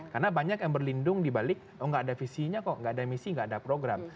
karena banyak yang berlindung di balik oh enggak ada visinya kok enggak ada misi enggak ada program